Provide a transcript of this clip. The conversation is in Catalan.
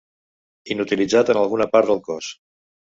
Inutilitzat en alguna part del cos.